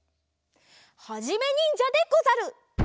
はじめにんじゃでござる！